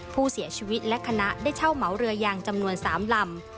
ผู้เสียชีวิตและคณะได้เช่าเหมาเรือยางจำนวน๓ลำ